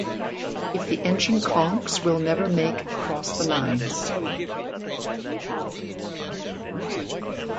If the engine conks we'll never make across the lines.